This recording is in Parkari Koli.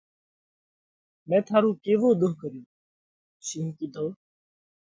مئين ٿارو ڪيوو ۮوه ڪريوه؟ شِينه ڪِيڌو: